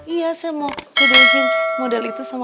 iya saya mau sudah mungkin model itu sama